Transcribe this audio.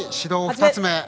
２つ目。